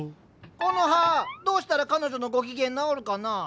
コノハどうしたら彼女のご機嫌直るかな？